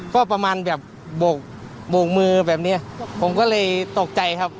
ก็ประมาณว่ามือผมตกใจครับ